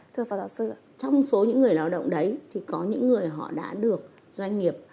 thưa phó giáo sư trong số những người lao động đấy thì có những người họ đã được doanh nghiệp